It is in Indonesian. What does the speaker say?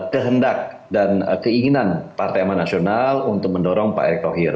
kehendak dan keinginan partai aman nasional untuk mendorong pak erick thohir